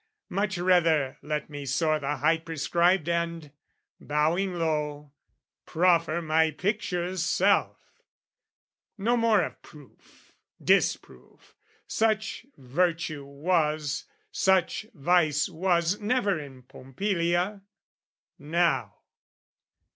Much rather let me soar the height prescribed And, bowing low, proffer my picture's self! No more of proof, disproof, such virtue was, Such vice was never in Pompilia, now!